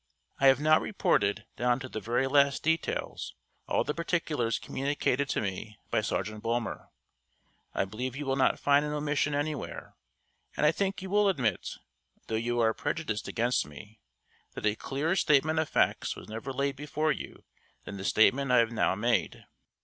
I have now reported, down to the very last details, all the particulars communicated to me by Sergeant Bulmer. I believe you will not find an omission anywhere; and I think you will admit, though you are prejudiced against me, that a clearer statement of facts was never laid before you than the statement I have now made.